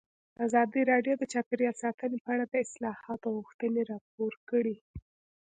ازادي راډیو د چاپیریال ساتنه په اړه د اصلاحاتو غوښتنې راپور کړې.